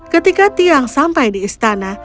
ketika tiang sampai di istana